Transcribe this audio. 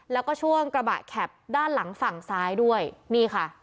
แล้วก็ช่วงกระบะแข็บด้านหลังฝั่งซ้ายด้วยนี่ค่ะ